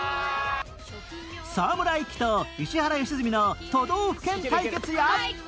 沢村一樹と石原良純の都道府県対決や